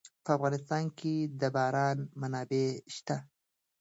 په افغانستان کې د باران منابع شته.